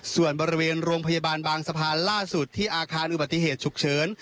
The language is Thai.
ส่วนบริเวณโรงพยาบาลบางสะพานล่าสุดที่อาคารอุบัติเหตุฉุกเฉิน